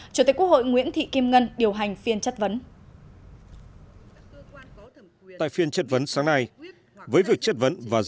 chủ tịch quốc hội nguyễn thị kim ngân điều hành phiên chất vấn